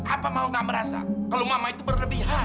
apa mau kamu rasa kalau mama itu berlebihan